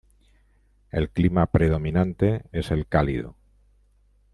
El clima predominante es el cálido.